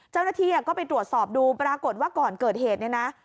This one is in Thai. เจ้าหน้าที่ก็ไปตรวจสอบดูปรากฏว่าก่อนเกิดเหตุเนี่ยนะ